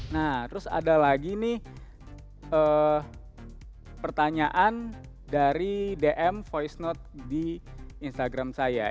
nah terus ada lagi nih pertanyaan dari dm voice note di instagram saya